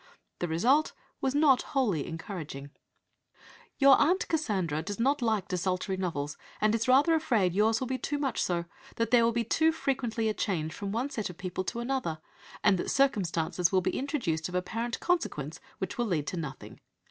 The result was not wholly encouraging "Your Aunt C. (Cassandra) does not like desultory novels, and is rather afraid yours will be too much so, that there will be too frequently a change from one set of people to another, and that circumstances will be introduced of apparent consequence which will lead to nothing.